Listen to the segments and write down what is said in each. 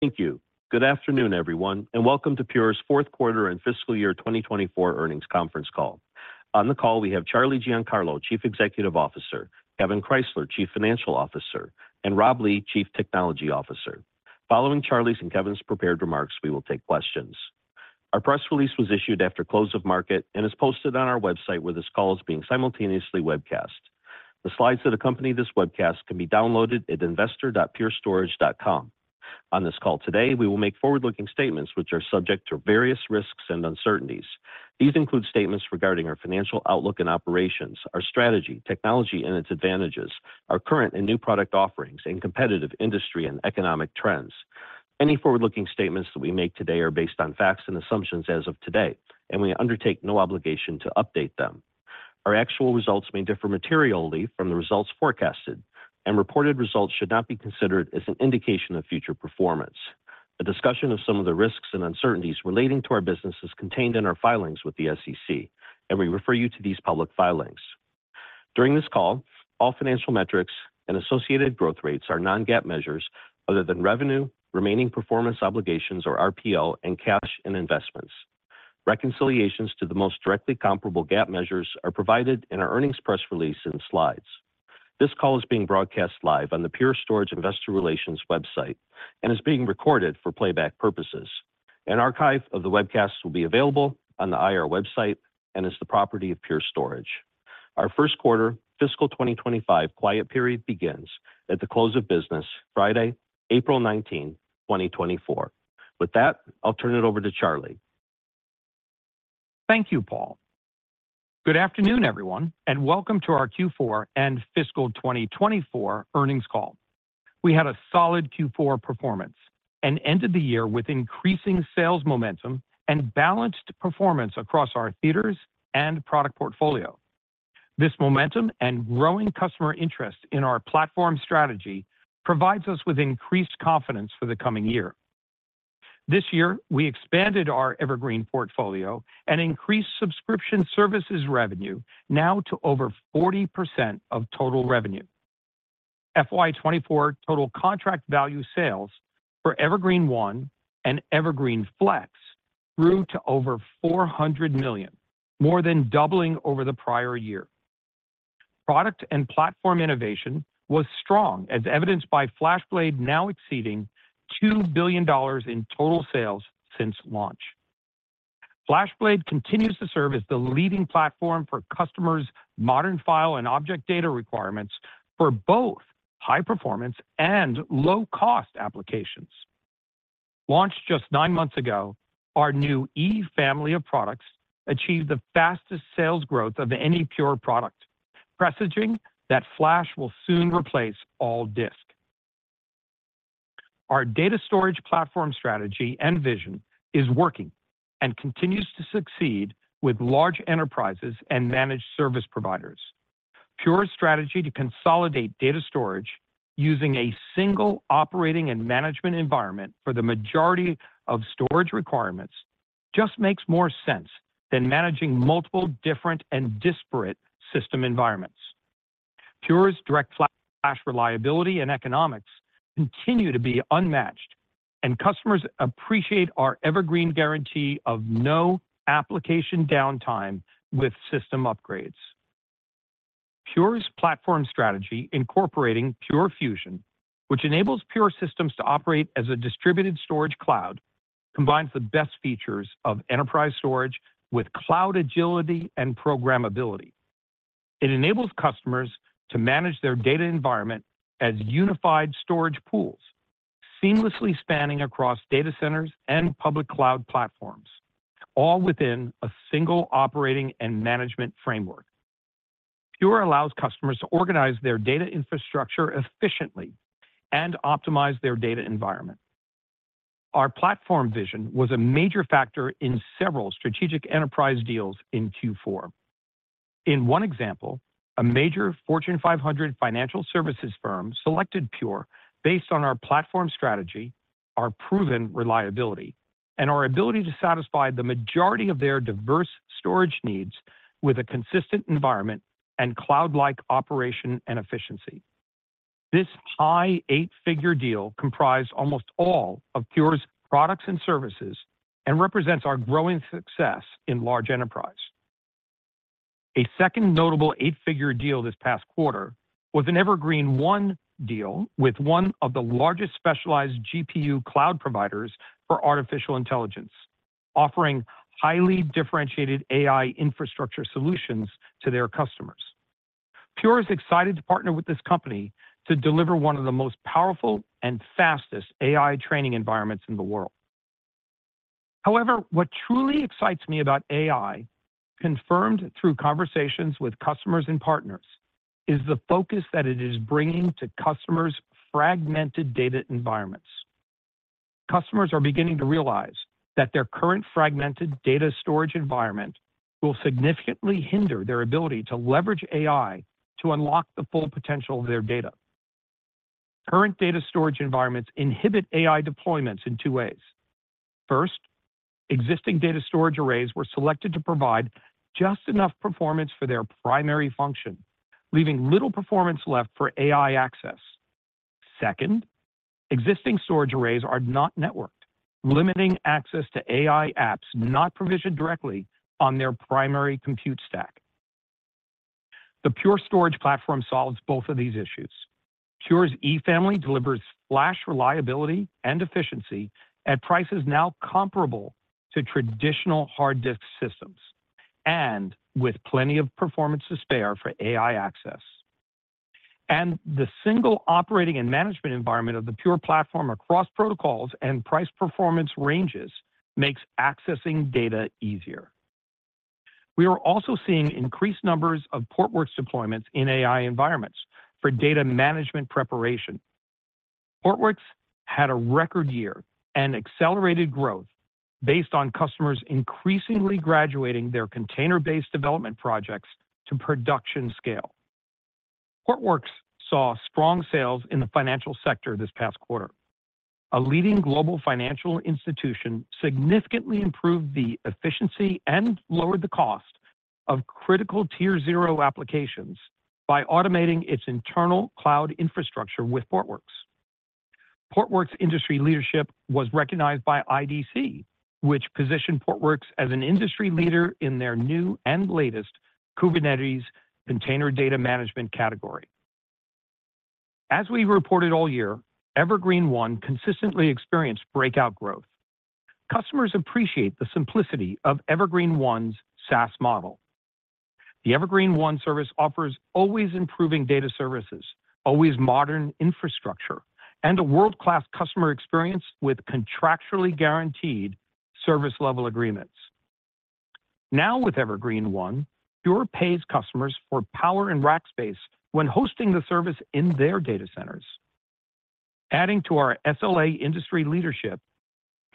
Thank you. Good afternoon, everyone, and welcome to Pure's Fourth Quarter and Fiscal Year 2024 Earnings Conference Call. On the call we have Charlie Giancarlo, Chief Executive Officer, Kevan Krysler, Chief Financial Officer, and Rob Lee, Chief Technology Officer. Following Charlie's and Kevan's prepared remarks, we will take questions. Our press release was issued after close of market and is posted on our website where this call is being simultaneously webcast. The slides that accompany this webcast can be downloaded at investor.purestorage.com. On this call today we will make forward-looking statements which are subject to various risks and uncertainties. These include statements regarding our financial outlook and operations, our strategy, technology and its advantages, our current and new product offerings, and competitive industry and economic trends. Any forward-looking statements that we make today are based on facts and assumptions as of today, and we undertake no obligation to update them. Our actual results may differ materially from the results forecasted, and reported results should not be considered as an indication of future performance. A discussion of some of the risks and uncertainties relating to our business is contained in our filings with the SEC, and we refer you to these public filings. During this call, all financial metrics and associated growth rates are non-GAAP measures other than revenue, remaining performance obligations or RPO, and cash and investments. Reconciliations to the most directly comparable GAAP measures are provided in our earnings press release and slides. This call is being broadcast live on the Pure Storage Investor Relations website and is being recorded for playback purposes. An archive of the webcast will be available on the IR website and is the property of Pure Storage. Our first quarter, fiscal 2025 quiet period, begins at the close of business Friday, April 19, 2024. With that, I'll turn it over to Charlie. Thank you, Paul. Good afternoon, everyone, and welcome to our Q4 and fiscal 2024 earnings call. We had a solid Q4 performance and ended the year with increasing sales momentum and balanced performance across our theaters and product portfolio. This momentum and growing customer interest in our platform strategy provides us with increased confidence for the coming year. This year we expanded our Evergreen portfolio and increased subscription services revenue now to over 40% of total revenue. FY 2024 total contract value sales for Evergreen//One and Evergreen//Flex grew to over $400 million, more than doubling over the prior year. Product and platform innovation was strong, as evidenced by FlashBlade now exceeding $2 billion in total sales since launch. FlashBlade continues to serve as the leading platform for customers' modern file and object data requirements for both high-performance and low-cost applications. Launched just nine months ago, our new E Family of products achieved the fastest sales growth of any Pure product, presaging that Flash will soon replace all disk. Our data storage platform strategy and vision is working and continues to succeed with large enterprises and managed service providers. Pure's strategy to consolidate data storage using a single operating and management environment for the majority of storage requirements just makes more sense than managing multiple different and disparate system environments. Pure's DirectFlash reliability and economics continue to be unmatched, and customers appreciate our evergreen guarantee of no application downtime with system upgrades. Pure's platform strategy, incorporating Pure Fusion, which enables Pure systems to operate as a distributed storage cloud, combines the best features of enterprise storage with cloud agility and programmability. It enables customers to manage their data environment as unified storage pools, seamlessly spanning across data centers and public cloud platforms, all within a single operating and management framework. Pure allows customers to organize their data infrastructure efficiently and optimize their data environment. Our platform vision was a major factor in several strategic enterprise deals in Q4. In one example, a major Fortune 500 financial services firm selected Pure based on our platform strategy, our proven reliability, and our ability to satisfy the majority of their diverse storage needs with a consistent environment and cloud-like operation and efficiency. This high eight-figure deal comprised almost all of Pure's products and services and represents our growing success in large enterprise. A second notable eight-figure deal this past quarter was an Evergreen//One deal with one of the largest specialized GPU cloud providers for artificial intelligence, offering highly differentiated AI infrastructure solutions to their customers. Pure is excited to partner with this company to deliver one of the most powerful and fastest AI training environments in the world. However, what truly excites me about AI, confirmed through conversations with customers and partners, is the focus that it is bringing to customers' fragmented data environments. Customers are beginning to realize that their current fragmented data storage environment will significantly hinder their ability to leverage AI to unlock the full potential of their data. Current data storage environments inhibit AI deployments in two ways. First, existing data storage arrays were selected to provide just enough performance for their primary function, leaving little performance left for AI access. Second, existing storage arrays are not networked, limiting access to AI apps not provisioned directly on their primary compute stack. The Pure Storage platform solves both of these issues. Pure's E Family delivers Flash reliability and efficiency at prices now comparable to traditional hard disk systems and with plenty of performance to spare for AI access. The single operating and management environment of the Pure platform across protocols and price performance ranges makes accessing data easier. We are also seeing increased numbers of Portworx deployments in AI environments for data management preparation. Portworx had a record year and accelerated growth based on customers increasingly graduating their container-based development projects to production scale. Portworx saw strong sales in the financial sector this past quarter. A leading global financial institution significantly improved the efficiency and lowered the cost of critical tier-zero applications by automating its internal cloud infrastructure with Portworx. Portworx industry leadership was recognized by IDC, which positioned Portworx as an industry leader in their new and latest Kubernetes container data management category. As we reported all year, Evergreen//One consistently experienced breakout growth. Customers appreciate the simplicity of Evergreen//One's SaaS model. The Evergreen//One service offers always improving data services, always modern infrastructure, and a world-class customer experience with contractually guaranteed service-level agreements. Now with Evergreen//One, Pure pays customers for power and rack space when hosting the service in their data centers. Adding to our SLA industry leadership,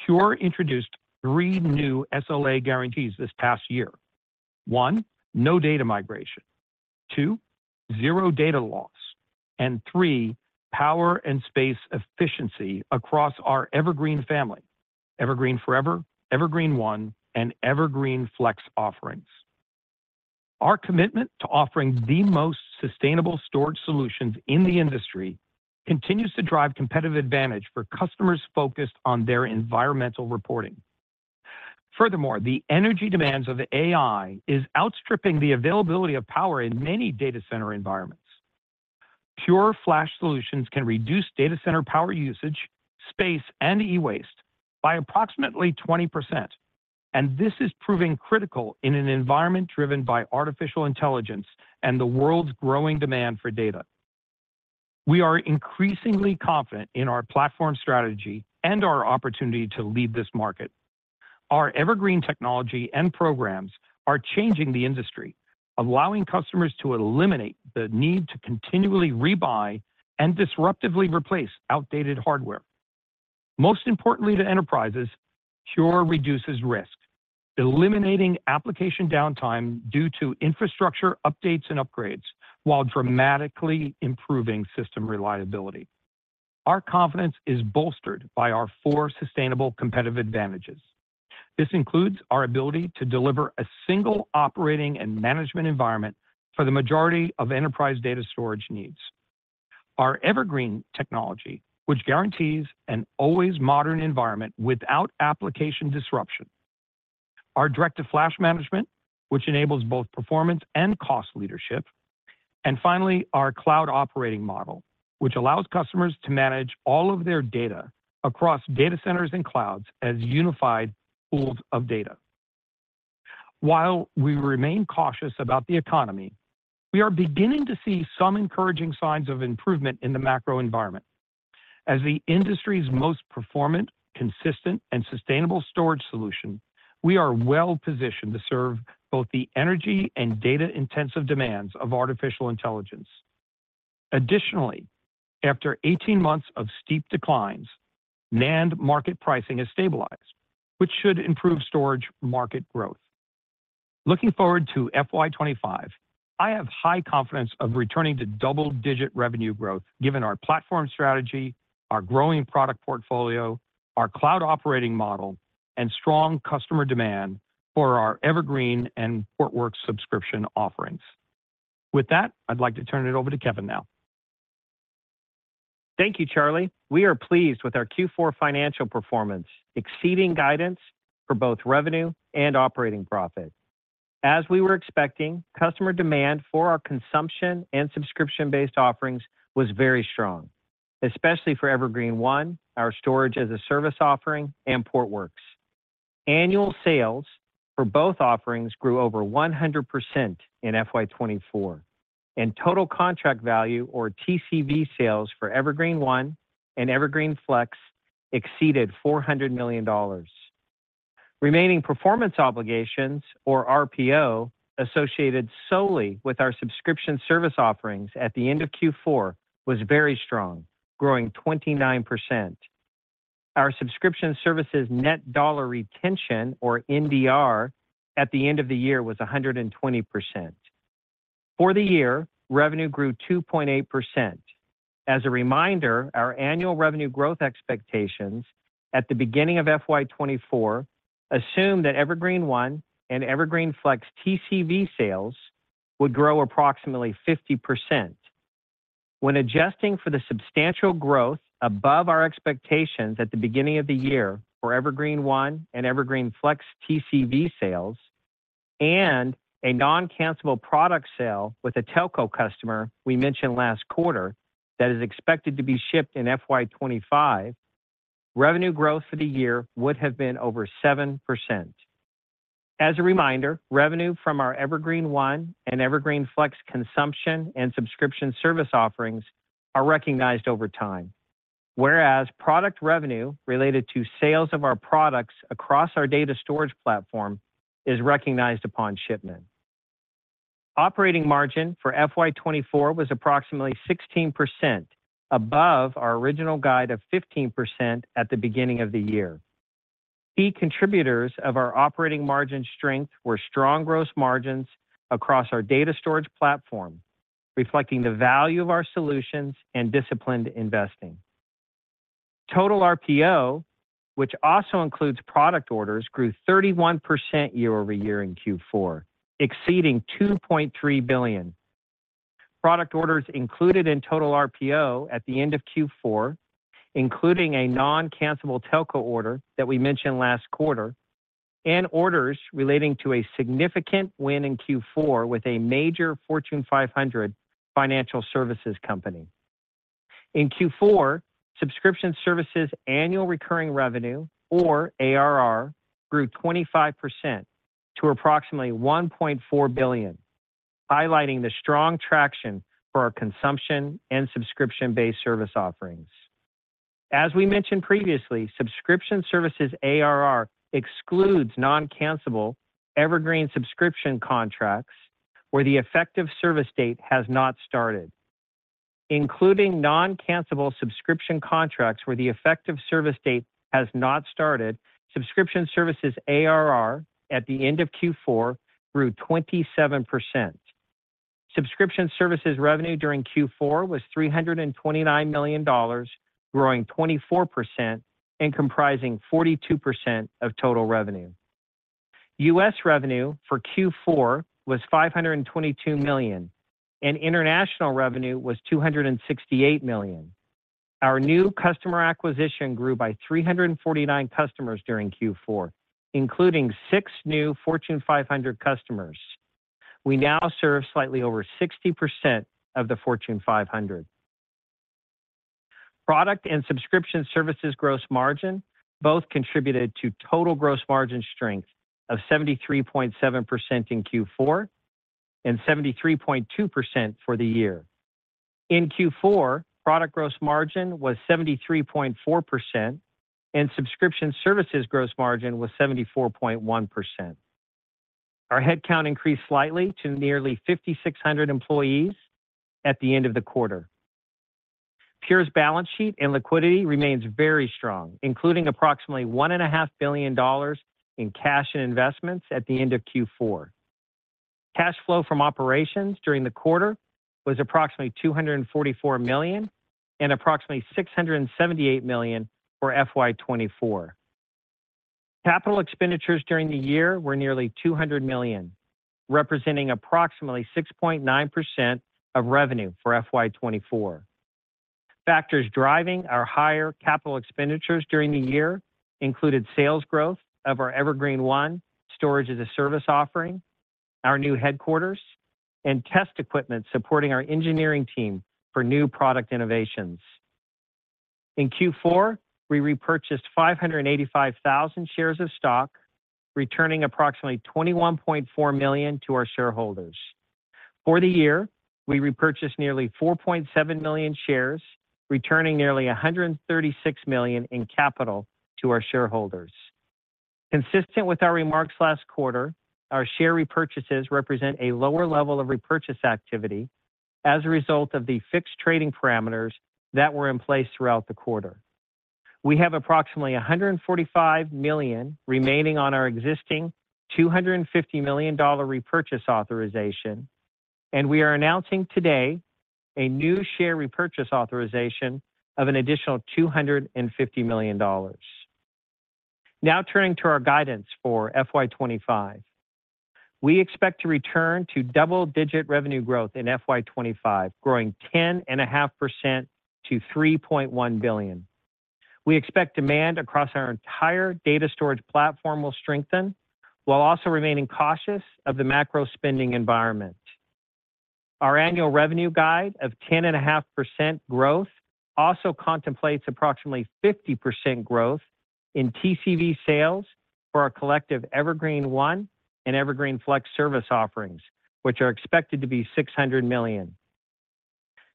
Pure introduced three new SLA guarantees this past year: one, no data migration; two, zero data loss; and three, power and space efficiency across our Evergreen family, Evergreen//Forever, Evergreen//One, and Evergreen//Flex offerings. Our commitment to offering the most sustainable storage solutions in the industry continues to drive competitive advantage for customers focused on their environmental reporting. Furthermore, the energy demands of AI are outstripping the availability of power in many data center environments. Pure flash solutions can reduce data center power usage, space, and e-waste by approximately 20%, and this is proving critical in an environment driven by artificial intelligence and the world's growing demand for data. We are increasingly confident in our platform strategy and our opportunity to lead this market. Our evergreen technology and programs are changing the industry, allowing customers to eliminate the need to continually rebuy and disruptively replace outdated hardware. Most importantly to enterprises, Pure reduces risk, eliminating application downtime due to infrastructure updates and upgrades while dramatically improving system reliability. Our confidence is bolstered by our four sustainable competitive advantages. This includes our ability to deliver a single operating and management environment for the majority of enterprise data storage needs, our Evergreen technology which guarantees an always modern environment without application disruption, our DirectFlash management which enables both performance and cost leadership, and finally our cloud operating model which allows customers to manage all of their data across data centers and clouds as unified pools of data. While we remain cautious about the economy, we are beginning to see some encouraging signs of improvement in the macro environment. As the industry's most performant, consistent, and sustainable storage solution, we are well positioned to serve both the energy and data-intensive demands of artificial intelligence. Additionally, after 18 months of steep declines, NAND market pricing has stabilized, which should improve storage market growth. Looking forward to FY 2025, I have high confidence of returning to double-digit revenue growth given our platform strategy, our growing product portfolio, our cloud operating model, and strong customer demand for our Evergreen and Portworx subscription offerings. With that, I'd like to turn it over to Kevan now. Thank you, Charlie. We are pleased with our Q4 financial performance, exceeding guidance for both revenue and operating profit. As we were expecting, customer demand for our consumption and subscription-based offerings was very strong, especially for Evergreen//One, our storage-as-a-service offering, and Portworx. Annual sales for both offerings grew over 100% in FY 2024, and total contract value or TCV sales for Evergreen//One and Evergreen//Flex exceeded $400 million. Remaining performance obligations, or RPO, associated solely with our subscription service offerings at the end of Q4 was very strong, growing 29%. Our subscription services net dollar retention, or NDR, at the end of the year was 120%. For the year, revenue grew 2.8%. As a reminder, our annual revenue growth expectations at the beginning of FY 2024 assumed that Evergreen//One and Evergreen//Flex TCV sales would grow approximately 50%. When adjusting for the substantial growth above our expectations at the beginning of the year for Evergreen//One and Evergreen//Flex TCV sales, and a non-cancelable product sale with a telco customer we mentioned last quarter that is expected to be shipped in FY 2025, revenue growth for the year would have been over 7%. As a reminder, revenue from our Evergreen//One and Evergreen//Flex consumption and subscription service offerings is recognized over time, whereas product revenue related to sales of our products across our data storage platform is recognized upon shipment. Operating margin for FY 2024 was approximately 16%, above our original guide of 15% at the beginning of the year. Key contributors of our operating margin strength were strong gross margins across our data storage platform, reflecting the value of our solutions and disciplined investing. Total RPO, which also includes product orders, grew 31% year-over-year in Q4, exceeding $2.3 billion. Product orders included in total RPO at the end of Q4, including a non-cancelable telco order that we mentioned last quarter, and orders relating to a significant win in Q4 with a major Fortune 500 financial services company. In Q4, subscription services annual recurring revenue, or ARR, grew 25% to approximately $1.4 billion, highlighting the strong traction for our consumption and subscription-based service offerings. As we mentioned previously, subscription services ARR excludes non-cancelable evergreen subscription contracts where the effective service date has not started. Including non-cancelable subscription contracts where the effective service date has not started, subscription services ARR at the end of Q4 grew 27%. Subscription services revenue during Q4 was $329 million, growing 24% and comprising 42% of total revenue. U.S. revenue for Q4 was $522 million, and international revenue was $268 million. Our new customer acquisition grew by 349 customers during Q4, including six new Fortune 500 customers. We now serve slightly over 60% of the Fortune 500. Product and subscription services gross margin both contributed to total gross margin strength of 73.7% in Q4 and 73.2% for the year. In Q4, product gross margin was 73.4%, and subscription services gross margin was 74.1%. Our headcount increased slightly to nearly 5,600 employees at the end of the quarter. Pure's balance sheet and liquidity remained very strong, including approximately $1.5 billion in cash and investments at the end of Q4. Cash flow from operations during the quarter was approximately $244 million and approximately $678 million for FY 2024. Capital expenditures during the year were nearly $200 million, representing approximately 6.9% of revenue for FY 2024. Factors driving our higher capital expenditures during the year included sales growth of our Evergreen//One storage-as-a-service offering, our new headquarters, and test equipment supporting our engineering team for new product innovations. In Q4, we repurchased 585,000 shares of stock, returning approximately $21.4 million to our shareholders. For the year, we repurchased nearly 4.7 million shares, returning nearly $136 million in capital to our shareholders. Consistent with our remarks last quarter, our share repurchases represent a lower level of repurchase activity as a result of the fixed trading parameters that were in place throughout the quarter. We have approximately $145 million remaining on our existing $250 million repurchase authorization, and we are announcing today a new share repurchase authorization of an additional $250 million. Now turning to our guidance for FY 2025. We expect to return to double-digit revenue growth in FY 2025, growing 10.5% to $3.1 billion. We expect demand across our entire data storage platform will strengthen while also remaining cautious of the macro spending environment. Our annual revenue guide of 10.5% growth also contemplates approximately 50% growth in TCV sales for our collective Evergreen//One and Evergreen//Flex service offerings, which are expected to be $600 million.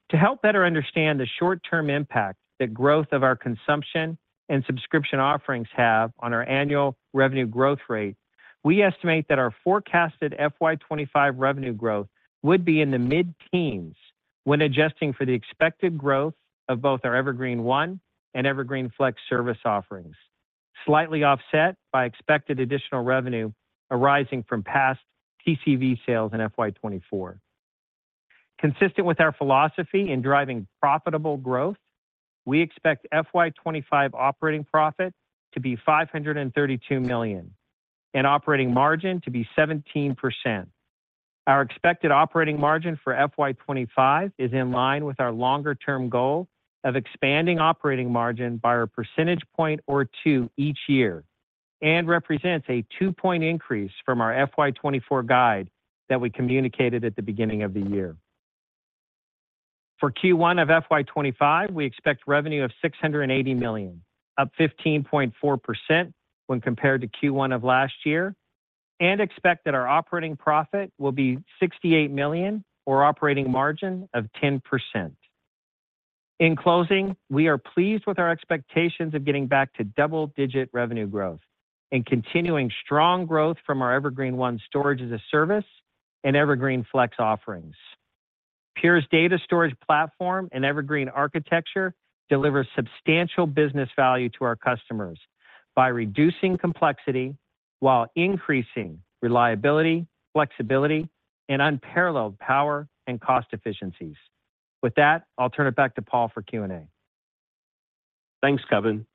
To help better understand the short-term impact that growth of our consumption and subscription offerings have on our annual revenue growth rate, we estimate that our forecasted FY 2025 revenue growth would be in the mid-teens when adjusting for the expected growth of both our Evergreen//One and Evergreen//Flex service offerings, slightly offset by expected additional revenue arising from past TCV sales in FY 2024. Consistent with our philosophy in driving profitable growth, we expect FY 2025 operating profit to be $532 million and operating margin to be 17%. Our expected operating margin for FY 2025 is in line with our longer-term goal of expanding operating margin by a percentage point or two each year and represents a two-point increase from our FY 2024 guide that we communicated at the beginning of the year. For Q1 of FY 2025, we expect revenue of $680 million, up 15.4% when compared to Q1 of last year, and expect that our operating profit will be $68 million or operating margin of 10%. In closing, we are pleased with our expectations of getting back to double-digit revenue growth and continuing strong growth from our Evergreen//One storage-as-a-service and Evergreen//Flex offerings. Pure's data storage platform and evergreen architecture deliver substantial business value to our customers by reducing complexity while increasing reliability, flexibility, and unparalleled power and cost efficiencies. With that, I'll turn it back to Paul for Q&A. Thanks, Kevan.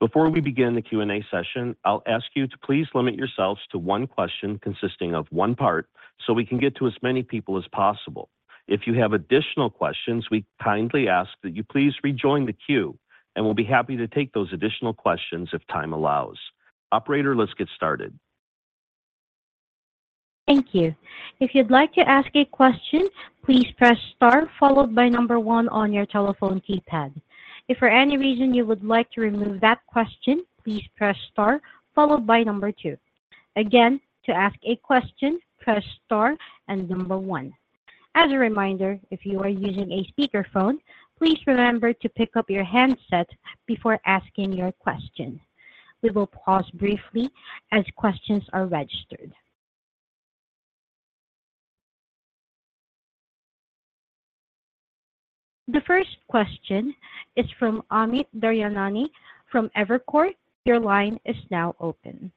Before we begin the Q&A session, I'll ask you to please limit yourselves to one question consisting of one part so we can get to as many people as possible. If you have additional questions, we kindly ask that you please rejoin the queue, and we'll be happy to take those additional questions if time allows. Operator, let's get started. Thank you. If you'd like to ask a question, please press star followed by number one on your telephone keypad. If for any reason you would like to remove that question, please press star followed by number two. Again, to ask a question, press star and number one. As a reminder, if you are using a speakerphone, please remember to pick up your handset before asking your question. We will pause briefly as questions are registered. The first question is from Amit Daryanani from Evercore. Your line is now open.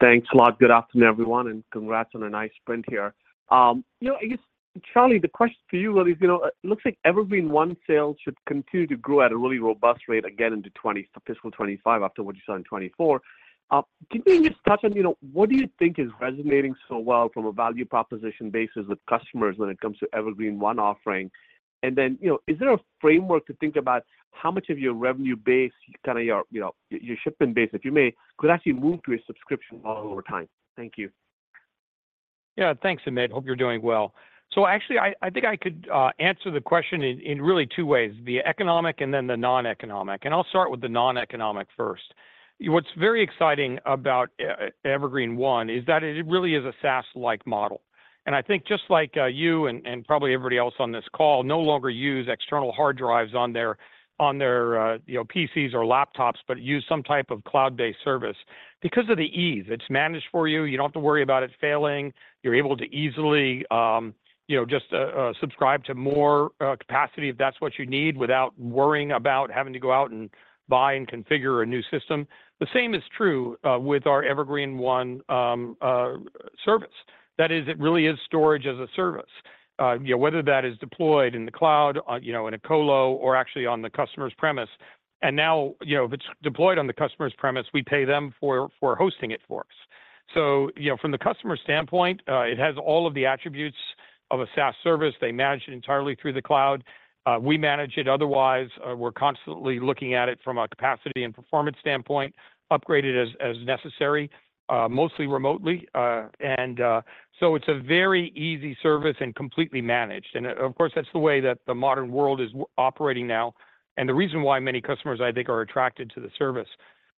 Thanks a lot. Good afternoon, everyone, and congrats on a nice sprint here. Charlie, the question for you really is, it looks like Evergreen//One sales should continue to grow at a really robust rate again into fiscal 2025 after what you saw in 2024. Can you just touch on what do you think is resonating so well from a value proposition basis with customers when it comes to Evergreen//One offering? And then is there a framework to think about how much of your revenue base, kind of your shipment base, if you may, could actually move to a subscription model over time? Thank you. Yeah, thanks, Amit. Hope you're doing well. So actually, I think I could answer the question in really two ways, the economic and then the non-economic. I'll start with the non-economic first. What's very exciting about Evergreen//One is that it really is a SaaS-like model. I think just like you and probably everybody else on this call no longer use external hard drives on their PCs or laptops, but use some type of cloud-based service because of the ease. It's managed for you. You don't have to worry about it failing. You're able to easily just subscribe to more capacity if that's what you need without worrying about having to go out and buy and configure a new system. The same is true with our Evergreen//One service. That is, it really is storage-as-a-service, whether that is deployed in the cloud in a colo or actually on the customer's premise. And now if it's deployed on the customer's premise, we pay them for hosting it for us. So from the customer standpoint, it has all of the attributes of a SaaS service. They manage it entirely through the cloud. We manage it otherwise. We're constantly looking at it from a capacity and performance standpoint, upgraded as necessary, mostly remotely. And so it's a very easy service and completely managed. And of course, that's the way that the modern world is operating now and the reason why many customers, I think, are attracted to the service.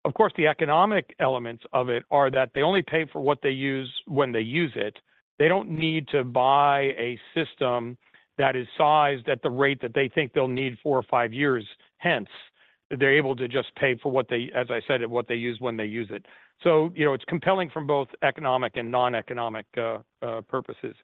Of course, the economic elements of it are that they only pay for what they use when they use it. They don't need to buy a system that is sized at the rate that they think they'll need four or five years. Hence, they're able to just pay for what they, as I said, what they use when they use it. So it's compelling from both economic and non-economic purposes.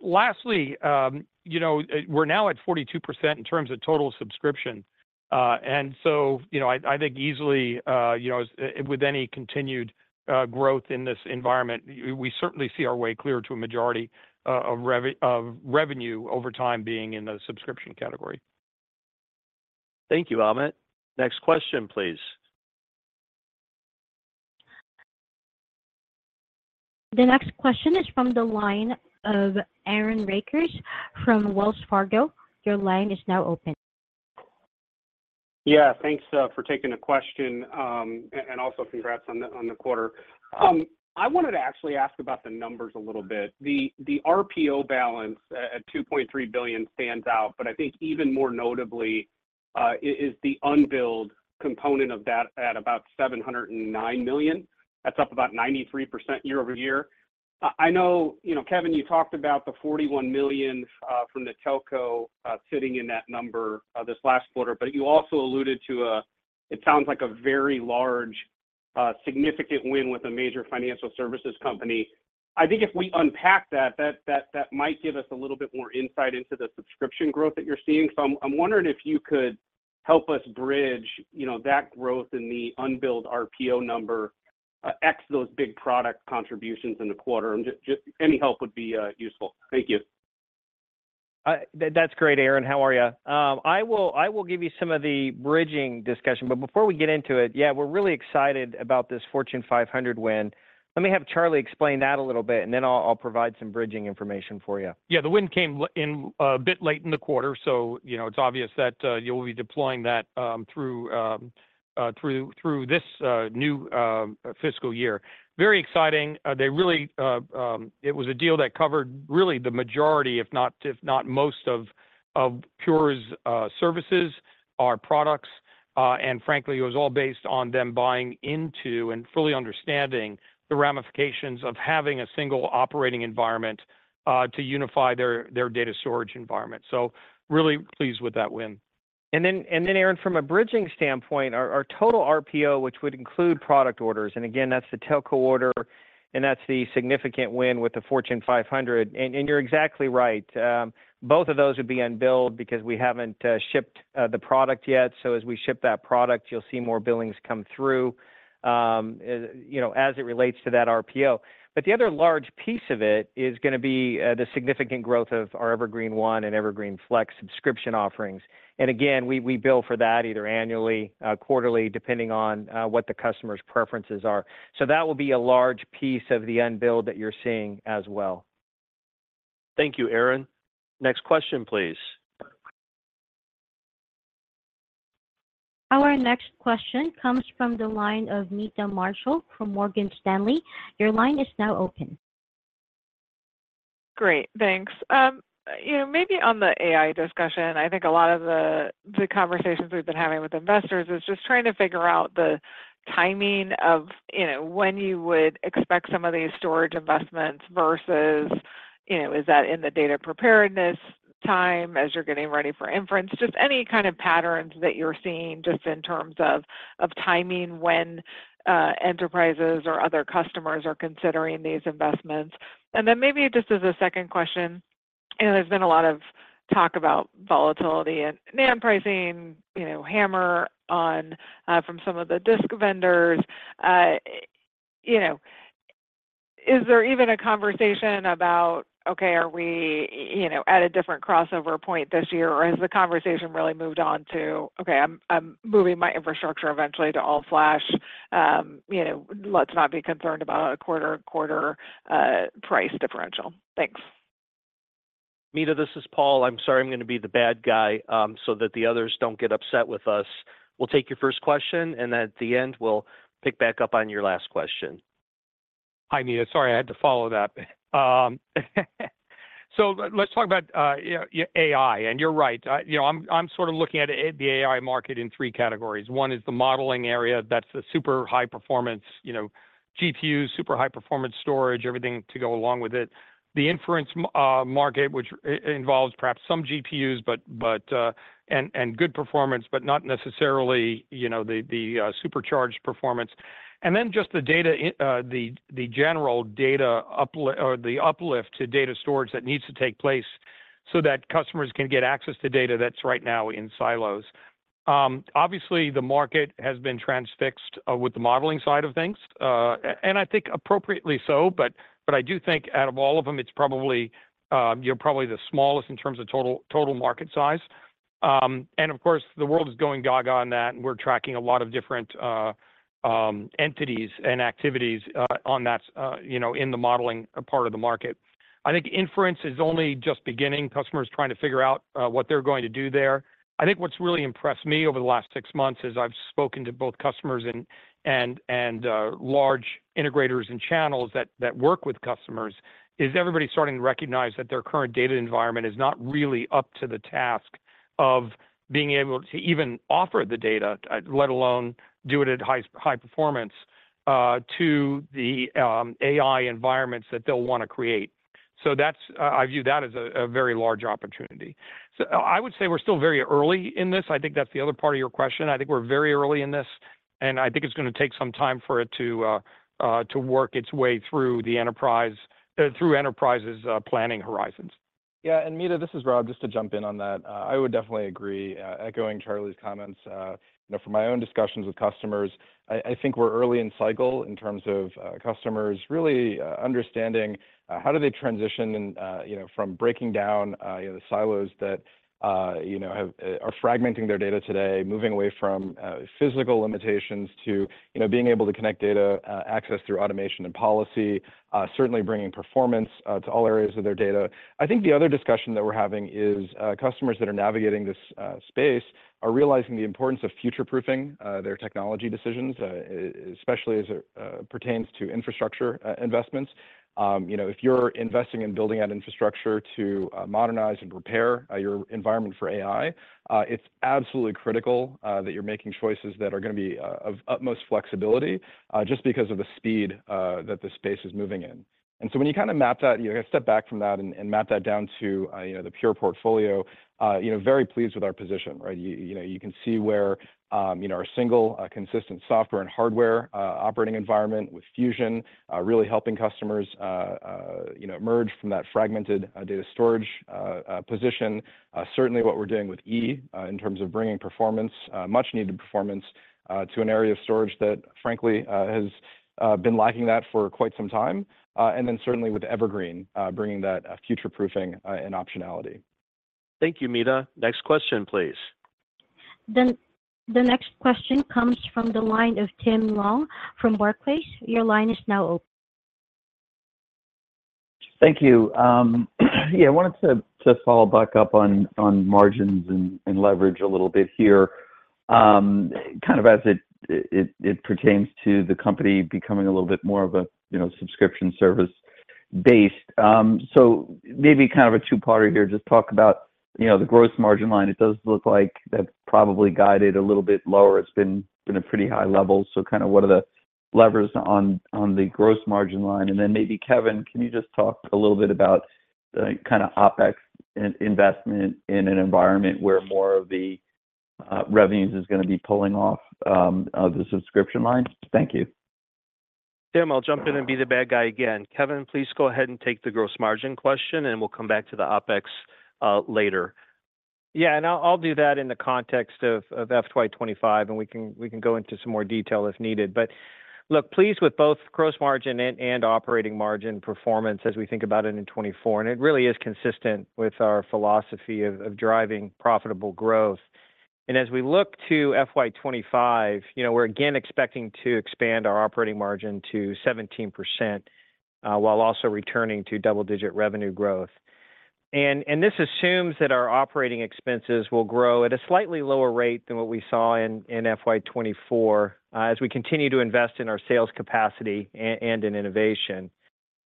Lastly, we're now at 42% in terms of total subscription. And so I think easily, with any continued growth in this environment, we certainly see our way clear to a majority of revenue over time being in the subscription category. Thank you, Amit. Next question, please. The next question is from the line of Aaron Rakers from Wells Fargo. Your line is now open. Yeah, thanks for taking the question. And also congrats on the quarter. I wanted to actually ask about the numbers a little bit. The RPO balance at $2.3 billion stands out, but I think even more notably is the unbilled component of that at about $709 million. That's up about 93% year-over-year. I know, Kevan, you talked about the $41 million from the telco sitting in that number this last quarter, but you also alluded to a, it sounds like, a very large, significant win with a major financial services company. I think if we unpack that, that might give us a little bit more insight into the subscription growth that you're seeing. So I'm wondering if you could help us bridge that growth in the unbilled RPO number x those big product contributions in the quarter. Any help would be useful. Thank you. That's great, Aaron. How are you? I will give you some of the bridging discussion. But before we get into it, yeah, we're really excited about this Fortune 500 win. Let me have Charlie explain that a little bit, and then I'll provide some bridging information for you. Yeah, the win came in a bit late in the quarter, so it's obvious that you'll be deploying that through this new fiscal year. Very exciting. It was a deal that covered really the majority, if not most, of Pure's services, our products. And frankly, it was all based on them buying into and fully understanding the ramifications of having a single operating environment to unify their data storage environment. So really pleased with that win. Then, Aaron, from a bridging standpoint, our total RPO, which would include product orders—and again, that's the telco order—and that's the significant win with the Fortune 500. You're exactly right. Both of those would be unbilled because we haven't shipped the product yet. So as we ship that product, you'll see more billings come through as it relates to that RPO. But the other large piece of it is going to be the significant growth of our Evergreen//One and Evergreen//Flex subscription offerings. And again, we bill for that either annually, quarterly, depending on what the customer's preferences are. That will be a large piece of the unbilled that you're seeing as well. Thank you, Aaron. Next question, please. Our next question comes from the line of Meta Marshall from Morgan Stanley. Your line is now open. Great. Thanks. Maybe on the AI discussion, I think a lot of the conversations we've been having with investors is just trying to figure out the timing of when you would expect some of these storage investments versus is that in the data preparedness time as you're getting ready for inference? Just any kind of patterns that you're seeing just in terms of timing when enterprises or other customers are considering these investments. And then maybe just as a second question, there's been a lot of talk about volatility and NAND pricing hammering from some of the disk vendors. Is there even a conversation about, "Okay, are we at a different crossover point this year?" Or has the conversation really moved on to, "Okay, I'm moving my infrastructure eventually to all-flash. Let's not be concerned about a quarter-to-quarter price differential"? Thanks. Meta, this is Paul. I'm sorry I'm going to be the bad guy so that the others don't get upset with us. We'll take your first question, and then at the end, we'll pick back up on your last question. Hi, Meta. Sorry, I had to follow that. Let's talk about AI. You're right. I'm sort of looking at the AI market in three categories. One is the modeling area. That's the super high-performance GPUs, super high-performance storage, everything to go along with it. The inference market, which involves perhaps some GPUs and good performance, but not necessarily the supercharged performance. Then just the general uplift to data storage that needs to take place so that customers can get access to data that's right now in silos. Obviously, the market has been transfixed with the modeling side of things, and I think appropriately so. I do think out of all of them, it's probably the smallest in terms of total market size. And of course, the world is going dog on that, and we're tracking a lot of different entities and activities in the modeling part of the market. I think inference is only just beginning. Customers are trying to figure out what they're going to do there. I think what's really impressed me over the last six months as I've spoken to both customers and large integrators and channels that work with customers is everybody's starting to recognize that their current data environment is not really up to the task of being able to even offer the data, let alone do it at high performance, to the AI environments that they'll want to create. So I view that as a very large opportunity. So I would say we're still very early in this. I think that's the other part of your question. I think we're very early in this, and I think it's going to take some time for it to work its way through enterprises' planning horizons. Yeah. And Meta, this is Rob just to jump in on that. I would definitely agree, echoing Charlie's comments. From my own discussions with customers, I think we're early in cycle in terms of customers really understanding how do they transition from breaking down the silos that are fragmenting their data today, moving away from physical limitations to being able to connect data access through automation and policy, certainly bringing performance to all areas of their data. I think the other discussion that we're having is customers that are navigating this space are realizing the importance of future-proofing their technology decisions, especially as it pertains to infrastructure investments. If you're investing in building out infrastructure to modernize and prepare your environment for AI, it's absolutely critical that you're making choices that are going to be of utmost flexibility just because of the speed that the space is moving in. And so when you kind of map that, step back from that and map that down to the Pure portfolio, very pleased with our position, right? You can see where our single consistent software and hardware operating environment with Fusion is really helping customers emerge from that fragmented data storage position. Certainly, what we're doing with E in terms of bringing performance, much-needed performance, to an area of storage that, frankly, has been lacking that for quite some time. And then certainly with Evergreen bringing that future-proofing and optionality. Thank you, Meta. Next question, please. The next question comes from the line of Tim Long from Barclays. Your line is now open. Thank you. Yeah, I wanted to follow back up on margins and leverage a little bit here kind of as it pertains to the company becoming a little bit more of a subscription service-based. So maybe kind of a two-parter here. Just talk about the gross margin line. It does look like that's probably guided a little bit lower. It's been at pretty high levels. So kind of what are the levers on the gross margin line? And then maybe, Kevan, can you just talk a little bit about kind of OpEx investment in an environment where more of the revenues is going to be pulling off the subscription line? Thank you. Tim, I'll jump in and be the bad guy again. Kevan, please go ahead and take the gross margin question, and we'll come back to the OpEx later. Yeah, and I'll do that in the context of FY 2025, and we can go into some more detail if needed. But look, please, with both gross margin and operating margin performance as we think about it in 2024, and it really is consistent with our philosophy of driving profitable growth. And as we look to FY 2025, we're again expecting to expand our operating margin to 17% while also returning to double-digit revenue growth. And this assumes that our operating expenses will grow at a slightly lower rate than what we saw in FY 2024 as we continue to invest in our sales capacity and in innovation.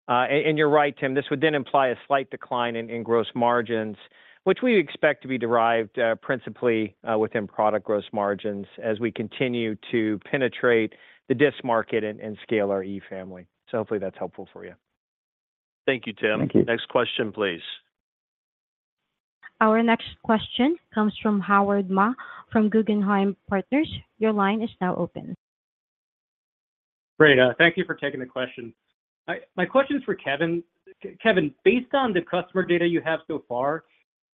And you're right, Tim. This would then imply a slight decline in gross margins, which we expect to be derived principally within product gross margins as we continue to penetrate the disk market and scale our E Family. So hopefully, that's helpful for you. Thank you, Tim. Thank you. Next question, please. Our next question comes from Howard Ma from Guggenheim Partners. Your line is now open. Great. Thank you for taking the question. My question's for Kevan. Kevan, based on the customer data you have so far,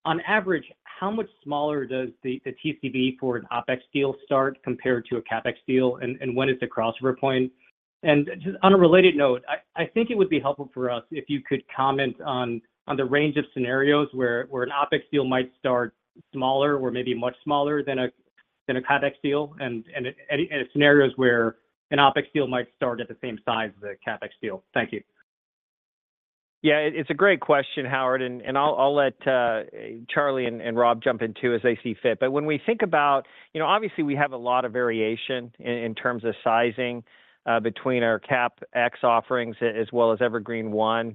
on average, how much smaller does the TCV for an OpEx deal start compared to a CapEx deal, and when is the crossover point? And just on a related note, I think it would be helpful for us if you could comment on the range of scenarios where an OpEx deal might start smaller or maybe much smaller than a CapEx deal and scenarios where an OpEx deal might start at the same size as a CapEx deal. Thank you. Yeah, it's a great question, Howard. And I'll let Charlie and Rob jump in too as they see fit. But when we think about obviously, we have a lot of variation in terms of sizing between our CapEx offerings as well as Evergreen//One.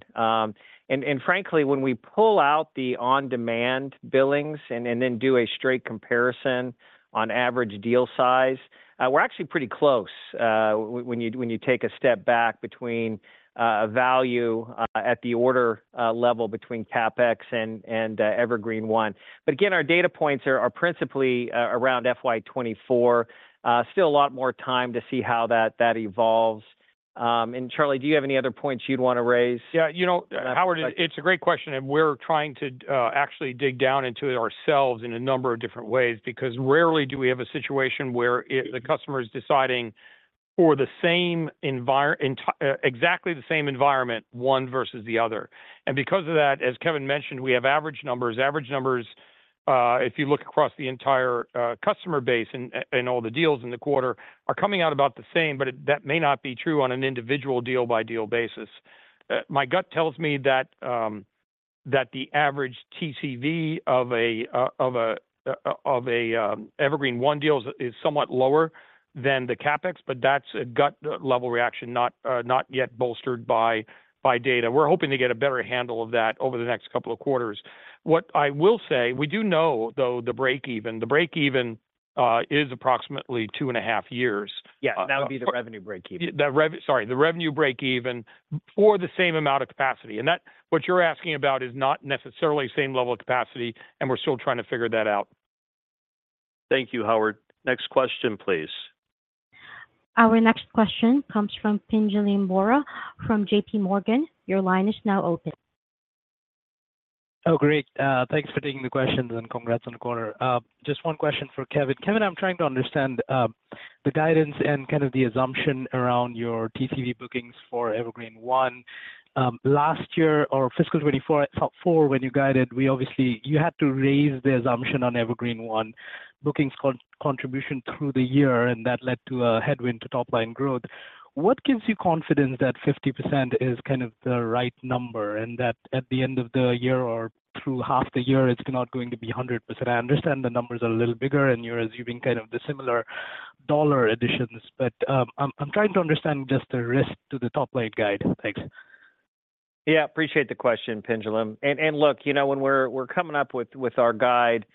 And frankly, when we pull out the on-demand billings and then do a straight comparison on average deal size, we're actually pretty close when you take a step back between value at the order level between CapEx and Evergreen//One. But again, our data points are principally around FY 2024. Still a lot more time to see how that evolves. And Charlie, do you have any other points you'd want to raise? Yeah. Howard, it's a great question, and we're trying to actually dig down into it ourselves in a number of different ways because rarely do we have a situation where the customer is deciding for exactly the same environment, one versus the other. And because of that, as Kevan mentioned, we have average numbers. Average numbers, if you look across the entire customer base and all the deals in the quarter, are coming out about the same, but that may not be true on an individual deal-by-deal basis. My gut tells me that the average TCV of an Evergreen//One deal is somewhat lower than the CapEx, but that's a gut-level reaction, not yet bolstered by data. We're hoping to get a better handle of that over the next couple of quarters. What I will say, we do know, though, the break-even. The break-even is approximately 2.5 years. Yes. That would be the revenue break-even. Sorry, the revenue break-even for the same amount of capacity. What you're asking about is not necessarily the same level of capacity, and we're still trying to figure that out. Thank you, Howard. Next question, please. Our next question comes from Pinjalim Bora from JPMorgan. Your line is now open. Oh, great. Thanks for taking the questions, and congrats on the quarter. Just one question for Kevan. Kevan, I'm trying to understand the guidance and kind of the assumption around your TCV bookings for Evergreen//One. Last year or fiscal 2024, when you guided, you had to raise the assumption on Evergreen//One bookings' contribution through the year, and that led to a headwind to top-line growth. What gives you confidence that 50% is kind of the right number and that at the end of the year or through half the year, it's not going to be 100%? I understand the numbers are a little bigger, and you're assuming kind of the similar dollar additions. But I'm trying to understand just the risk to the top-line guide. Thanks. Yeah, appreciate the question, Pinjalim. And look, when we're coming up with our guide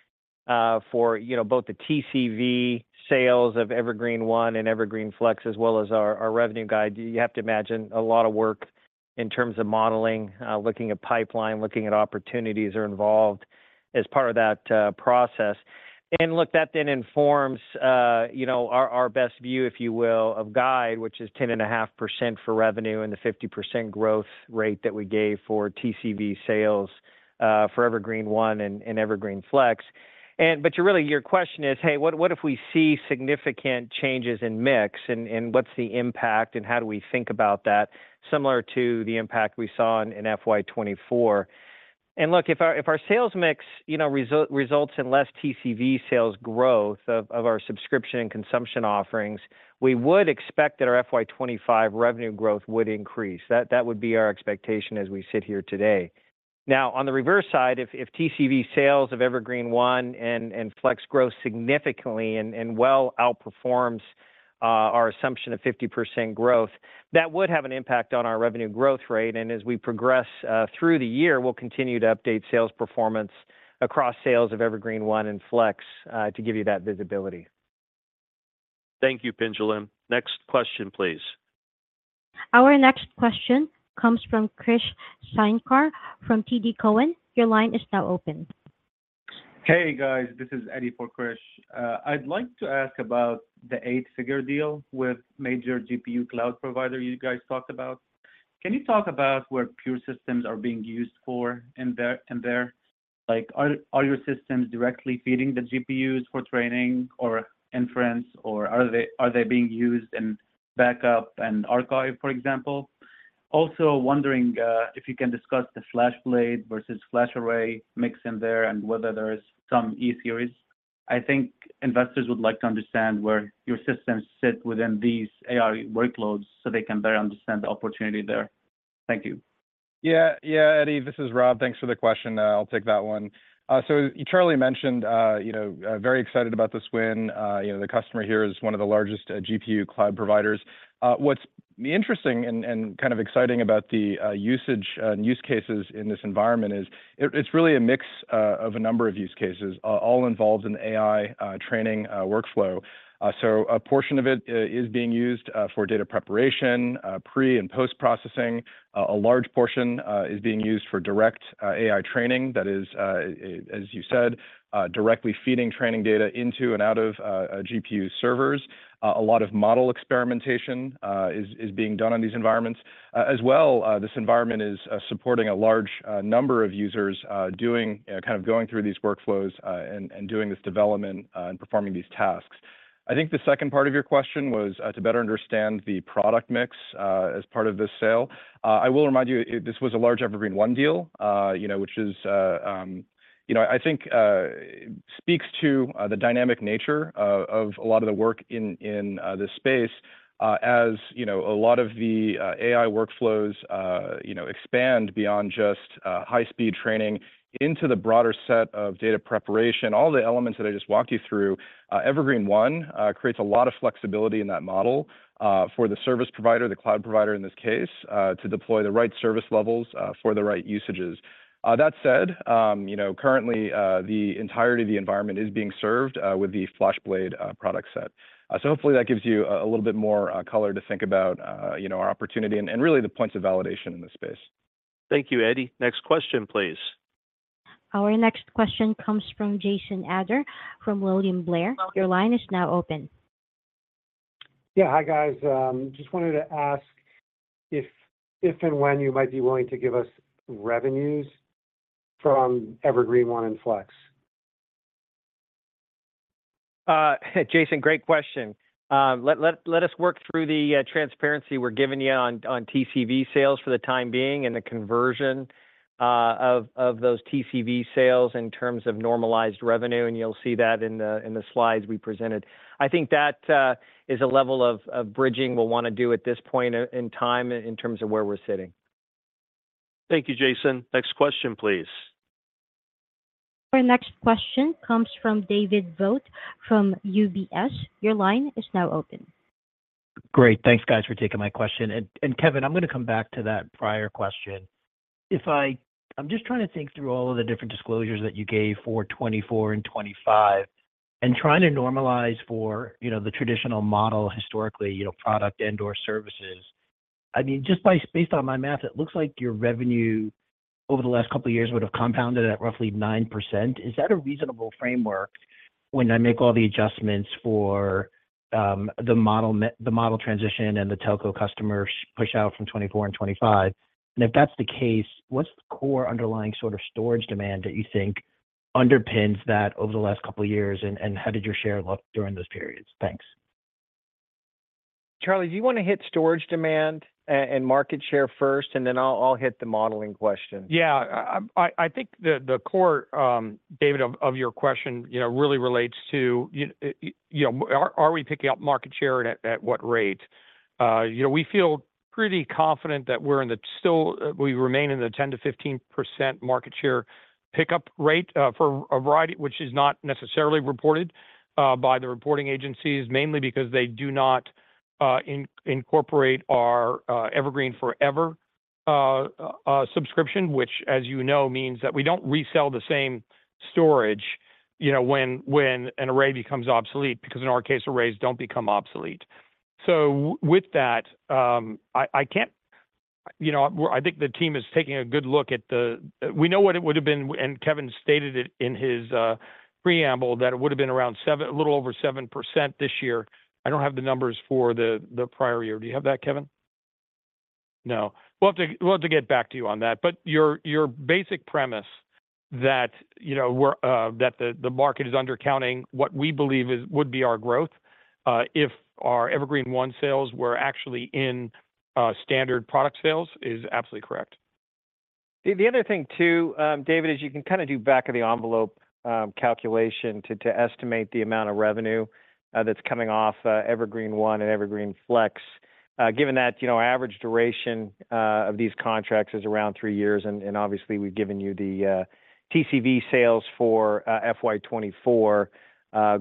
for both the TCV sales of Evergreen//One and Evergreen//Flex as well as our revenue guide, you have to imagine a lot of work in terms of modeling, looking at pipeline, looking at opportunities that are involved as part of that process. And look, that then informs our best view, if you will, of guide, which is 10.5% for revenue and the 50% growth rate that we gave for TCV sales for Evergreen//One and Evergreen//Flex. But really, your question is, "Hey, what if we see significant changes in mix, and what's the impact, and how do we think about that similar to the impact we saw in FY 2024?" And look, if our sales mix results in less TCV sales growth of our subscription and consumption offerings, we would expect that our FY 2025 revenue growth would increase. That would be our expectation as we sit here today. Now, on the reverse side, if TCV sales of Evergreen//One and Flex grow significantly and well outperforms our assumption of 50% growth, that would have an impact on our revenue growth rate. And as we progress through the year, we'll continue to update sales performance across sales of Evergreen//One and Flex to give you that visibility. Thank you, Pinjalim. Next question, please. Our next question comes from Krish Sankar from TD Cowen. Your line is now open. Hey, guys. This is Hadi for Krish. I'd like to ask about the eight-figure deal with major GPU cloud provider you guys talked about. Can you talk about what Pure systems are being used for in there? Are your systems directly feeding the GPUs for training or inference, or are they being used in backup and archive, for example? Also, wondering if you can discuss the FlashBlade versus FlashArray mix in there and whether there's some E-series. I think investors would like to understand where your systems sit within these AI workloads so they can better understand the opportunity there. Thank you. Yeah. Yeah, Eddie. This is Rob. Thanks for the question. I'll take that one. So, Charlie mentioned very excited about this win. The customer here is one of the largest GPU cloud providers. What's interesting and kind of exciting about the usage and use cases in this environment is it's really a mix of a number of use cases all involved in the AI training workflow. So a portion of it is being used for data preparation, pre- and post-processing. A large portion is being used for direct AI training. That is, as you said, directly feeding training data into and out of GPU servers. A lot of model experimentation is being done on these environments. As well, this environment is supporting a large number of users kind of going through these workflows and doing this development and performing these tasks. I think the second part of your question was to better understand the product mix as part of this sale. I will remind you, this was a large Evergreen//One deal, which I think speaks to the dynamic nature of a lot of the work in this space as a lot of the AI workflows expand beyond just high-speed training into the broader set of data preparation. All the elements that I just walked you through, Evergreen//One creates a lot of flexibility in that model for the service provider, the cloud provider in this case, to deploy the right service levels for the right usages. That said, currently, the entirety of the environment is being served with the FlashBlade product set. So hopefully, that gives you a little bit more color to think about our opportunity and really the points of validation in this space. Thank you, Hadi. Next question, please. Our next question comes from Jason Ader from William Blair. Your line is now open. Yeah. Hi, guys. Just wanted to ask if and when you might be willing to give us revenues from Evergreen//One and Flex? Jason, great question. Let us work through the transparency we're giving you on TCV sales for the time being and the conversion of those TCV sales in terms of normalized revenue. You'll see that in the slides we presented. I think that is a level of bridging we'll want to do at this point in time in terms of where we're sitting. Thank you, Jason. Next question, please. Our next question comes from David Vogt from UBS. Your line is now open. Great. Thanks, guys, for taking my question. And Kevan, I'm going to come back to that prior question. I'm just trying to think through all of the different disclosures that you gave for 2024 and 2025 and trying to normalize for the traditional model, historically, product and/or services. I mean, just based on my math, it looks like your revenue over the last couple of years would have compounded at roughly 9%. Is that a reasonable framework when I make all the adjustments for the model transition and the telco customer push-out from 2024 and 2025? And if that's the case, what's the core underlying sort of storage demand that you think underpins that over the last couple of years, and how did your share look during those periods? Thanks. Charlie, do you want to hit storage demand and market share first, and then I'll hit the modeling question? Yeah. I think the core, David, of your question really relates to are we picking up market share at what rate? We feel pretty confident that we still remain in the 10%-15% market share pickup rate for a variety, which is not necessarily reported by the reporting agencies, mainly because they do not incorporate our Evergreen//Forever subscription, which, as you know, means that we don't resell the same storage when an array becomes obsolete because, in our case, arrays don't become obsolete. So with that, I think the team is taking a good look at. We know what it would have been and Kevan stated it in his preamble that it would have been around a little over 7% this year. I don't have the numbers for the prior year. Do you have that, Kevan? No. We'll have to get back to you on that. But your basic premise that the market is undercounting what we believe would be our growth if our Evergreen//One sales were actually in standard product sales is absolutely correct. The other thing, too, David, is you can kind of do back-of-the-envelope calculation to estimate the amount of revenue that's coming off Evergreen//One and Evergreen//Flex. Given that our average duration of these contracts is around three years, and obviously, we've given you the TCV sales for FY 2024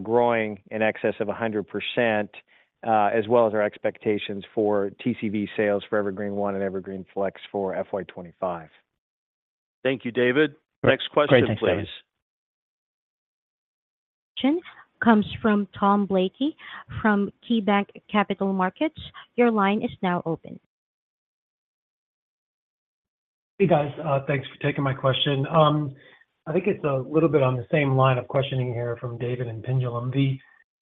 growing in excess of 100% as well as our expectations for TCV sales for Evergreen//One and Evergreen//Flex for FY 2025. Thank you, David. Next question, please. Question comes from Tom Blakey from KeyBanc Capital Markets. Your line is now open. Hey, guys. Thanks for taking my question. I think it's a little bit on the same line of questioning here from David and Pinjalim.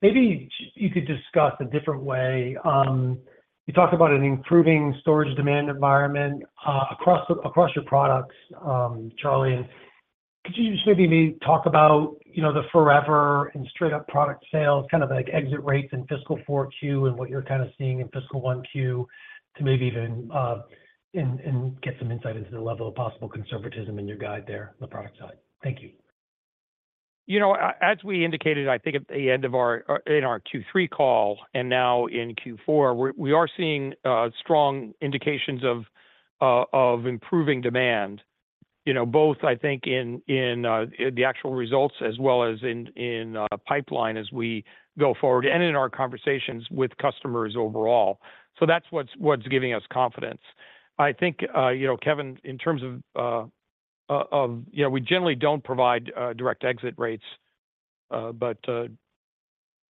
Maybe you could discuss a different way. You talked about an improving storage demand environment across your products, Charlie. And could you just maybe talk about the Forever and straight-up product sales, kind of like exit rates in fiscal 4Q and what you're kind of seeing in fiscal 1Q to maybe even get some insight into the level of possible conservatism in your guide there, the product side? Thank you. As we indicated, I think at the end of our Q3 call and now in Q4, we are seeing strong indications of improving demand, both, I think, in the actual results as well as in pipeline as we go forward and in our conversations with customers overall. So that's what's giving us confidence. I think, Kevan, in terms of we generally don't provide direct exit rates, but.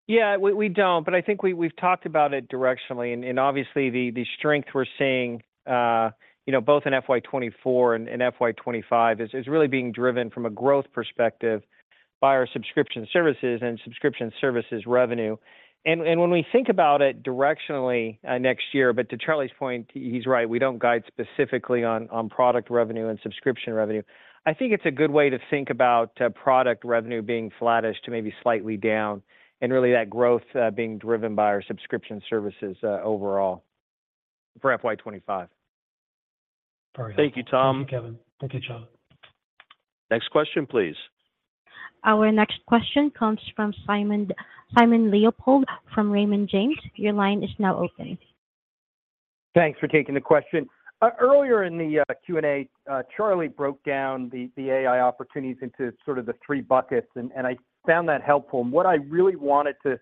Yeah, we don't. But I think we've talked about it directionally. And obviously, the strength we're seeing both in FY 2024 and FY 2025 is really being driven from a growth perspective by our subscription services and subscription services revenue. And when we think about it directionally next year, but to Charlie's point, he's right. We don't guide specifically on product revenue and subscription revenue. I think it's a good way to think about product revenue being flattish to maybe slightly down and really that growth being driven by our subscription services overall for FY 2025. Perfect. Thank you, Tom. Thank you, Kevan. Thank you, Charlie. Next question, please. Our next question comes from Simon Leopold from Raymond James. Your line is now open. Thanks for taking the question. Earlier in the Q&A, Charlie broke down the AI opportunities into sort of the three buckets, and I found that helpful. What I really wanted to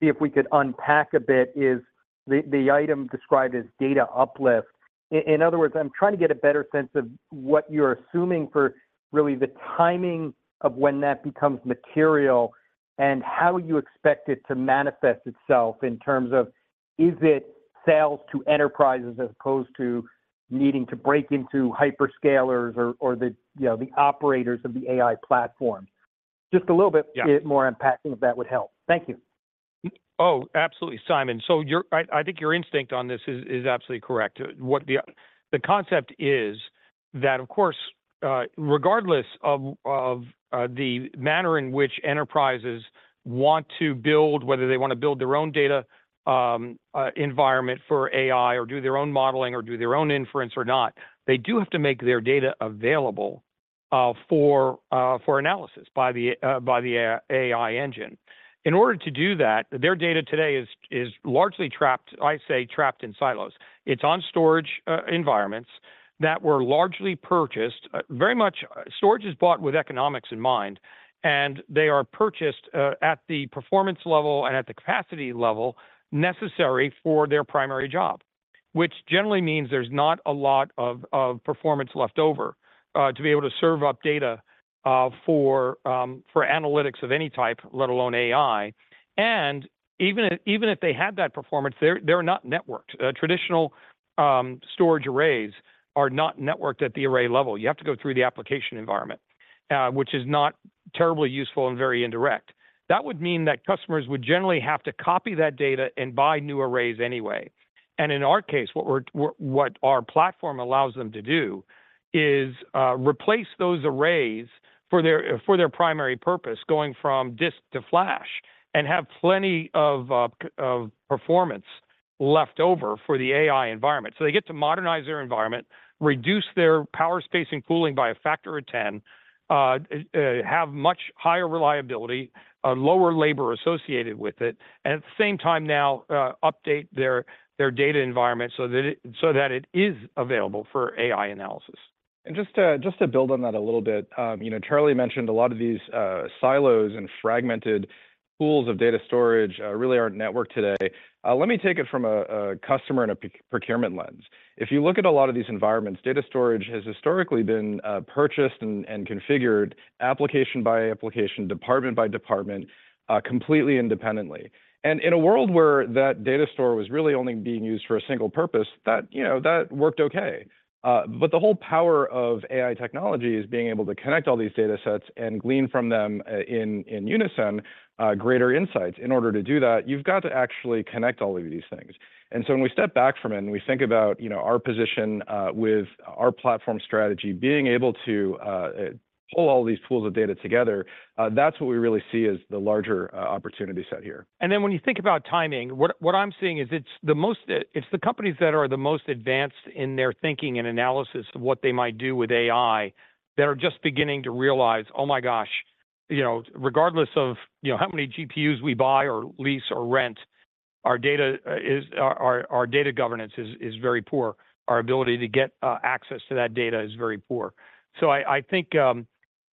see if we could unpack a bit is the item described as data uplift. In other words, I'm trying to get a better sense of what you're assuming for really the timing of when that becomes material and how you expect it to manifest itself in terms of is it sales to enterprises as opposed to needing to break into hyperscalers or the operators of the AI platform? Just a little bit more unpacking if that would help. Thank you. Oh, absolutely, Simon. So I think your instinct on this is absolutely correct. The concept is that, of course, regardless of the manner in which enterprises want to build, whether they want to build their own data environment for AI or do their own modeling or do their own inference or not, they do have to make their data available for analysis by the AI engine. In order to do that, their data today is largely trapped, I say, trapped in silos. It's on storage environments that were largely purchased. Very much storage is bought with economics in mind. And they are purchased at the performance level and at the capacity level necessary for their primary job, which generally means there's not a lot of performance left over to be able to serve up data for analytics of any type, let alone AI. Even if they had that performance, they're not networked. Traditional storage arrays are not networked at the array level. You have to go through the application environment, which is not terribly useful and very indirect. That would mean that customers would generally have to copy that data and buy new arrays anyway. In our case, what our platform allows them to do is replace those arrays for their primary purpose, going from disk to flash, and have plenty of performance left over for the AI environment. They get to modernize their environment, reduce their power, space, and cooling by a factor of 10, have much higher reliability, lower labor associated with it, and at the same time now update their data environment so that it is available for AI analysis. And just to build on that a little bit, Charlie mentioned a lot of these silos and fragmented pools of data storage really aren't networked today. Let me take it from a customer and a procurement lens. If you look at a lot of these environments, data storage has historically been purchased and configured application by application, department by department, completely independently. And in a world where that data store was really only being used for a single purpose, that worked okay. But the whole power of AI technology is being able to connect all these datasets and glean from them in unison greater insights. In order to do that, you've got to actually connect all of these things. And so when we step back from it and we think about our position with our platform strategy, being able to pull all these pools of data together, that's what we really see as the larger opportunity set here. When you think about timing, what I'm seeing is it's the companies that are the most advanced in their thinking and analysis of what they might do with AI that are just beginning to realize, "Oh my gosh," regardless of how many GPUs we buy or lease or rent, our data governance is very poor. Our ability to get access to that data is very poor.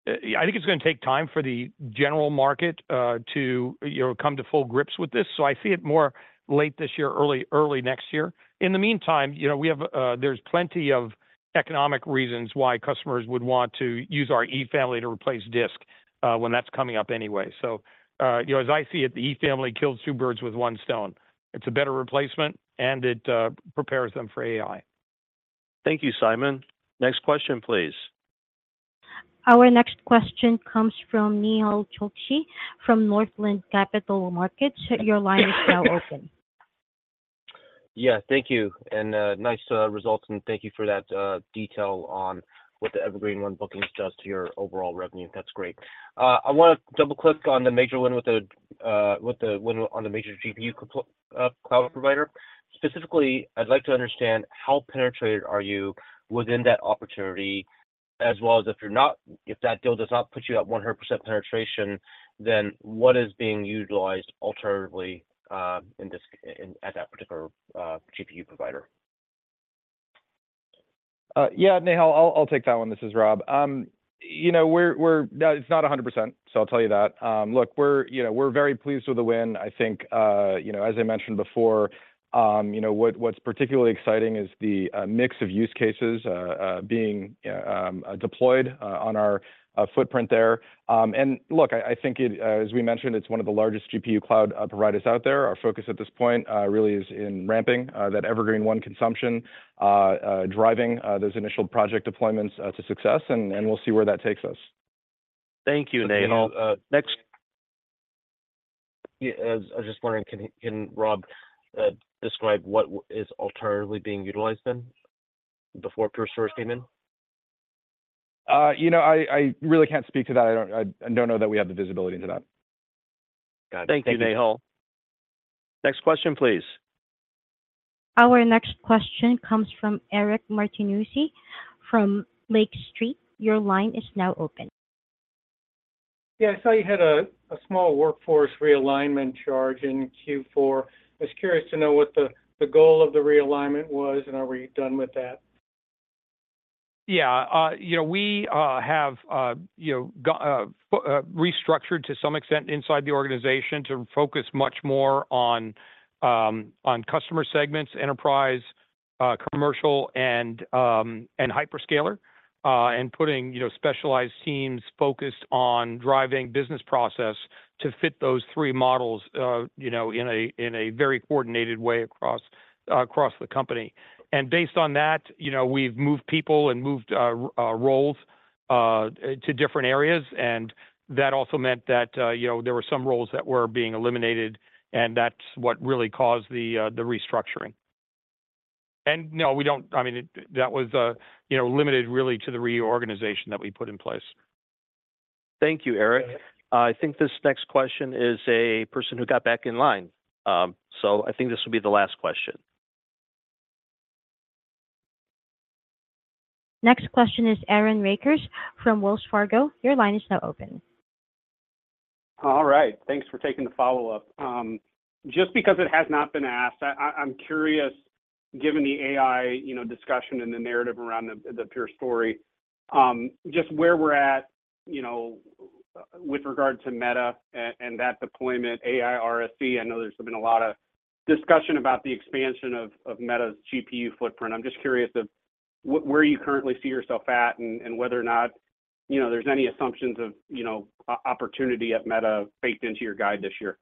So I think it's going to take time for the general market to come to full grips with this. So I see it more late this year, early next year. In the meantime, there's plenty of economic reasons why customers would want to use our E Family to replace disk when that's coming up anyway. So as I see it, the E Family kills two birds with one stone. It's a better replacement, and it prepares them for AI. Thank you, Simon. Next question, please. Our next question comes from Nehal Chokshi from Northland Capital Markets. Your line is now open. Yeah. Thank you. Nice results. Thank you for that detail on what the Evergreen//One bookings does to your overall revenue. That's great. I want to double-click on the major one with the one on the major GPU cloud provider. Specifically, I'd like to understand how penetrated are you within that opportunity as well as if that deal does not put you at 100% penetration, then what is being utilized alternatively at that particular GPU provider? Yeah, Nehal, I'll take that one. This is Rob. It's not 100%, so I'll tell you that. Look, we're very pleased with the win. I think, as I mentioned before, what's particularly exciting is the mix of use cases being deployed on our footprint there. And look, I think, as we mentioned, it's one of the largest GPU cloud providers out there. Our focus at this point really is in ramping that Evergreen//One consumption, driving those initial project deployments to success. And we'll see where that takes us. Thank you, Nehal. Next. I was just wondering, can Rob describe what is alternatively being utilized than before Pure Storage came in? I really can't speak to that. I don't know that we have the visibility into that. Got it. Thank you, Nehal. Next question, please. Our next question comes from Eric Martinuzzi from Lake Street. Your line is now open. Yeah. I saw you had a small workforce realignment charge in Q4. I was curious to know what the goal of the realignment was, and are we done with that? Yeah. We have restructured to some extent inside the organization to focus much more on customer segments, enterprise, commercial, and hyperscaler, and putting specialized teams focused on driving business process to fit those three models in a very coordinated way across the company. And based on that, we've moved people and moved roles to different areas. And that also meant that there were some roles that were being eliminated. And that's what really caused the restructuring. And no, we don't. I mean, that was limited really to the reorganization that we put in place. Thank you, Eric. I think this next question is a person who got back in line. I think this will be the last question. Next question is Aaron Rakers from Wells Fargo. Your line is now open. All right. Thanks for taking the follow-up. Just because it has not been asked, I'm curious, given the AI discussion and the narrative around the Pure story, just where we're at with regard to Meta and that deployment, AI RSC. I know there's been a lot of discussion about the expansion of Meta's GPU footprint. I'm just curious of where you currently see yourself at and whether or not there's any assumptions of opportunity at Meta baked into your guide this year?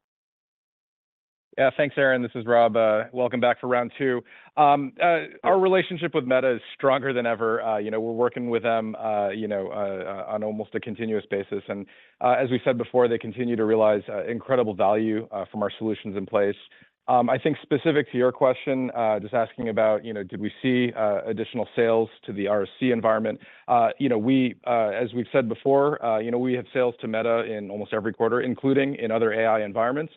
Yeah. Thanks, Aaron. This is Rob. Welcome back for round two. Our relationship with Meta is stronger than ever. We're working with them on almost a continuous basis. And as we said before, they continue to realize incredible value from our solutions in place. I think specific to your question, just asking about, did we see additional sales to the RSC environment? As we've said before, we have sales to Meta in almost every quarter, including in other AI environments.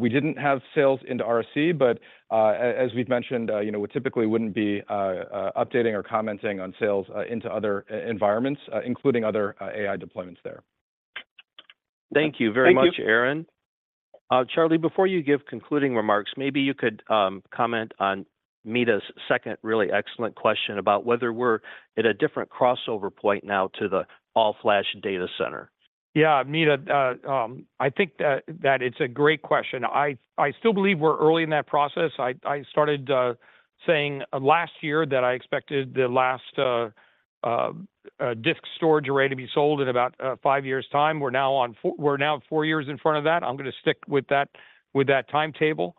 We didn't have sales into RSC, but as we've mentioned, we typically wouldn't be updating or commenting on sales into other environments, including other AI deployments there. Thank you very much, Aaron. Charlie, before you give concluding remarks, maybe you could comment on Meta's second really excellent question about whether we're at a different crossover point now to the all-flash data center. Yeah, Meta, I think that it's a great question. I still believe we're early in that process. I started saying last year that I expected the last disk storage array to be sold in about five years' time. We're now four years in front of that. I'm going to stick with that timetable.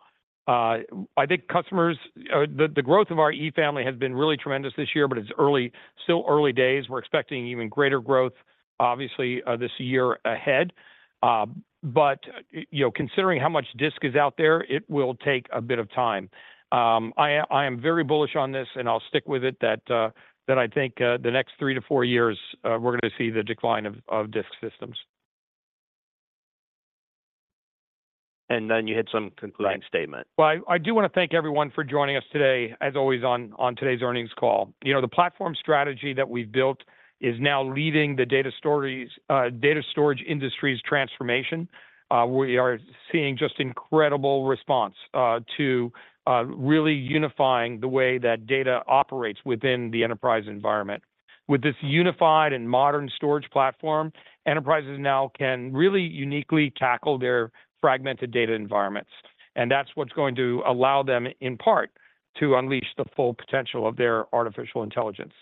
I think the growth of our E Family has been really tremendous this year, but it's still early days. We're expecting even greater growth, obviously, this year ahead. But considering how much disk is out there, it will take a bit of time. I am very bullish on this, and I'll stick with it, that I think the next three to four years, we're going to see the decline of disk systems. And then you had some concluding statement. Well, I do want to thank everyone for joining us today, as always, on today's earnings call. The platform strategy that we've built is now leading the data storage industry's transformation. We are seeing just incredible response to really unifying the way that data operates within the enterprise environment. With this unified and modern storage platform, enterprises now can really uniquely tackle their fragmented data environments. And that's what's going to allow them, in part, to unleash the full potential of their artificial intelligence.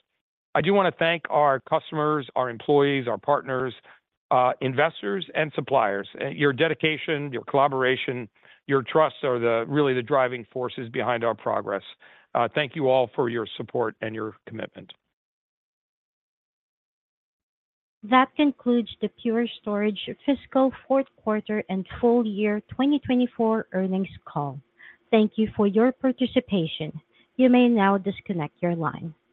I do want to thank our customers, our employees, our partners, investors, and suppliers. Your dedication, your collaboration, your trust are really the driving forces behind our progress. Thank you all for your support and your commitment. That concludes the Pure Storage fiscal fourth quarter and full year 2024 earnings call. Thank you for your participation. You may now disconnect your line.